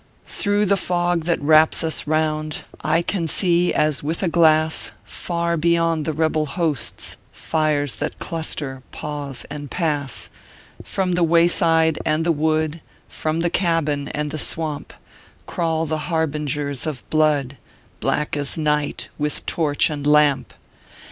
"Through the fog that wraps us round I can see, as with a glass, Far beyond the rebel hosts Fires that cluster, pause, and pass. "From the wayside and the wood, From the cabin and the swamp, Crawl the harbingers of blood, Black as night, with torch and lamp.